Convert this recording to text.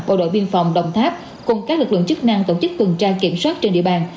bộ đội biên phòng đồng tháp cùng các lực lượng chức năng tổ chức tuần tra kiểm soát trên địa bàn